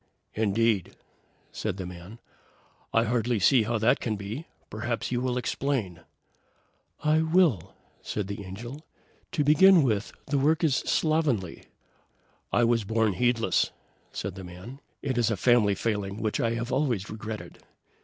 "Indeed!" said the man. "I hardly see how that can be. Perhaps you will explain." "I will!" said the Angel. "To begin with, the work is slovenly." "I was born heedless," said the man. "It is a family failing which I have always regretted."